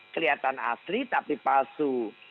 kelihatan asli tapi palsu